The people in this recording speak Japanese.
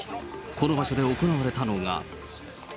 この場所で行われたのが。